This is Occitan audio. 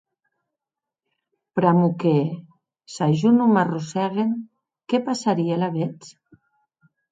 Pr'amor que, s'a jo non m'arrossèguen, qué passarie alavetz?